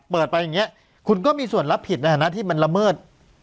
ไปอย่างนี้คุณก็มีส่วนรับผิดในฐานะที่มันละเมิด